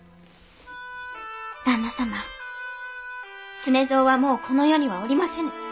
常蔵はもうこの世にはおりませぬ。